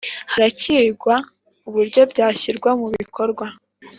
haracyigwa uburyo byashyirwa mu bikorwa.